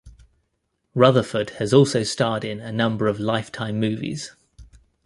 Rutherford has also starred in a number of Lifetime movies.